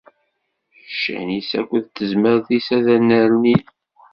Ccan-is akked tezmert-is ad nnernin.